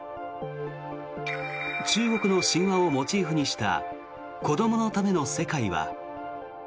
中国の神話をモチーフにした子どものための世界は。